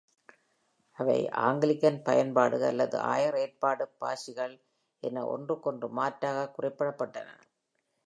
அவை "ஆங்கிலிகன் பயன்பாடு" அல்லது "ஆயர் ஏற்பாடு" பாரிஷ்கள் என ஒன்றுக்கொன்று மாற்றாக குறிப்பிடப்பட்டன.